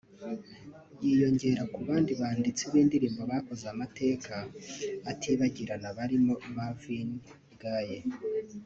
yiyongera ku bandi banditsi b’indirimbo bakoze amateka atibagirana barimo Marvin Gaye